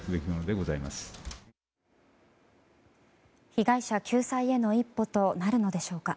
被害者救済への一歩となるのでしょうか。